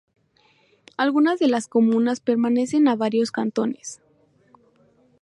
Algunas de las comunas pertenecen a varios cantones.